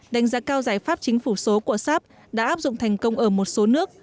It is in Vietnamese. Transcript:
đánh giá cao giải pháp chính phủ số của shb đã áp dụng thành công ở một số nước